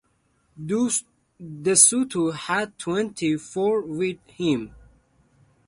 De Soto had twenty-four with him.